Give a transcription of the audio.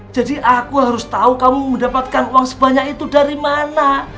jadi aku harus tau kamu mendapatkan uang sebanyak itu dari mana